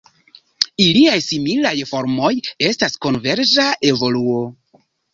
Iliaj similaj formoj estas konverĝa evoluo.